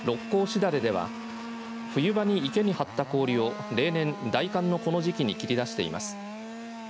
枝垂れでは冬場に池に張った氷を例年、大寒のこの時期に切り出しています。